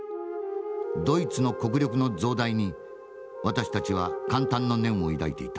ドイツの国力の増大に私たちは感嘆の念を抱いていた。